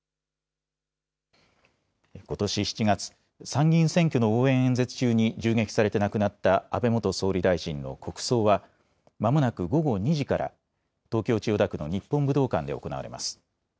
ことし７月、参議院選挙の応援演説中に銃撃されて亡くなった安倍元総理大臣の国葬は、まもなく午後２時から、東京・千代田区の日本武道館で行われます。